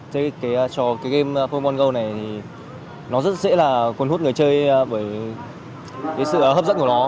chơi cái game pokemon go này thì nó rất dễ là cuốn hút người chơi với cái sự hấp dẫn của nó